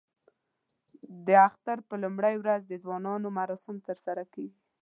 د اختر په لومړۍ ورځ د ځوانانو مراسم ترسره کېږي.